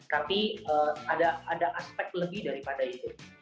tapi ada aspek lebih daripada itu